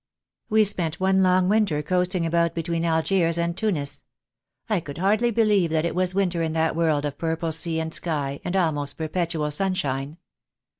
We spent one long winter coasting about between Algiers and Tunis. I could hardly believe that it was winter in that world of purple sea and sky and almost perpetual sunshine.